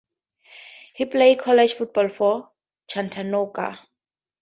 He played college football for Chattanooga.